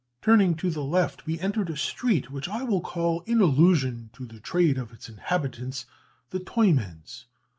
"Turning to the left, we entered a street which I will call, in allusion to the trade of its inhabitants, the Toymen's....